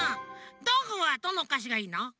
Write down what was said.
どんぐーはどのおかしがいいの？